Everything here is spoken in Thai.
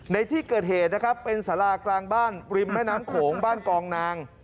ในที่เกิดเหตุนะครับเป็นสารากลางบ้านริมแม่น้ำโขงบ้านกองนาง